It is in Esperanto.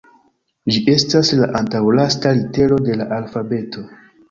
Ĝi estas la antaŭlasta litero de la alfabeto.